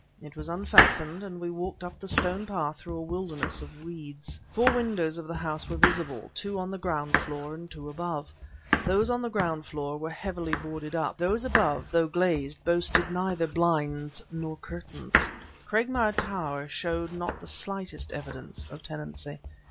It was unfastened, and we walked up the stone path through a wilderness of weeds. Four windows of the house were visible, two on the ground floor and two above. Those on the ground floor were heavily boarded up, those above, though glazed, boasted neither blinds nor curtains. Cragmire Tower showed not the slightest evidence of tenancy.